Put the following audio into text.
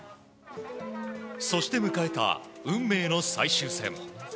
そして迎えた運命の最終戦。